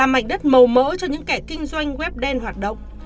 mảnh đất màu mỡ cho những kẻ kinh doanh web đen hoạt động